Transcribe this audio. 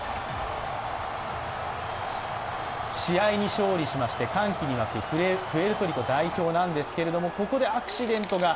試合に勝利しまして歓喜に沸くプエルトリコ代表なんですがここでアクシデントが。